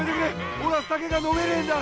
俺は酒が飲めねえんだ！